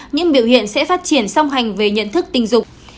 những biểu hiện sẽ phát triển song hành về nhận thức tình dục